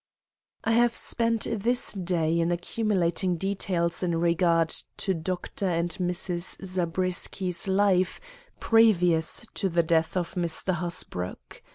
"I have spent this day in accumulating details in regard to Dr. and Mrs. Zabriskie's life previous to the death of Mr. Hasbrouck.